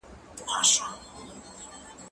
ته له چا سره خبري کوې،